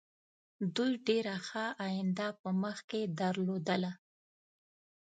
دوی ډېره ښه آینده په مخکې درلودله.